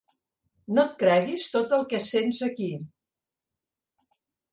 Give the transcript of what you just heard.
No et creguis tot el que sents aquí.